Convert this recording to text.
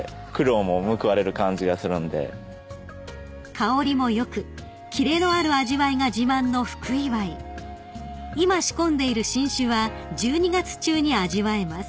［香りも良くキレのある味わいが自慢の「福祝」］［今仕込んでいる新酒は１２月中に味わえます］